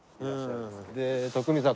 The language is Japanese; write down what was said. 徳光さん